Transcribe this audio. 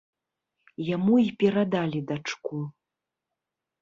Яму і перадалі дачку.